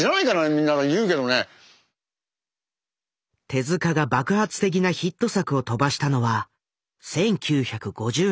手が爆発的なヒット作を飛ばしたのは１９５０年代。